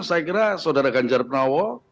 saya kira saudara ganjar pranowo